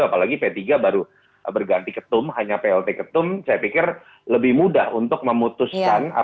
apalagi p tiga baru berganti ketum hanya plt ketum saya pikir lebih mudah untuk memutuskan